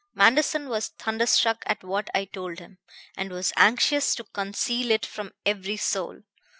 Manderson was thunderstruck at what I told him, and was anxious to conceal it from every soul.